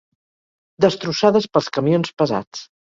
Destrossades pels camions pesats